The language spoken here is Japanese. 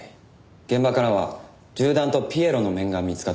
現場からは銃弾とピエロの面が見つかっています。